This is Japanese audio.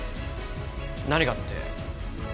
何かって？